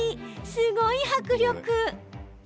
すごい迫力。